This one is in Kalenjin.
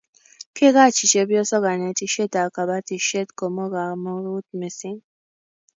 ke kachi chepyosok kanetishiet ab kabatishiet kobo kamagut mising